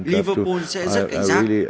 liverpool sẽ rất ảnh giác